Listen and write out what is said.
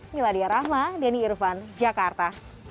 miladia rahma denny irvan jakarta